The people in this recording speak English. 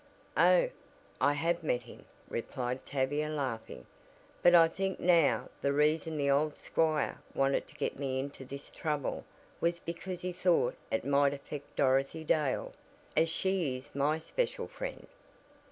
"Oh, I have met him," replied Tavia laughing, "but I think now the reason the old squire wanted to get me into this trouble was because he thought it might affect Dorothy Dale, as she is my special friend.